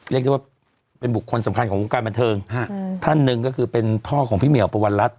เรียกได้ว่าเป็นบุคคลสำคัญของวงการบันเทิงท่านหนึ่งก็คือเป็นพ่อของพี่เหมียวประวันรัฐ